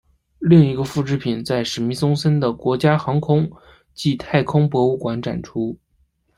另外一个复制品在史密松森的国家航空暨太空博物馆展出。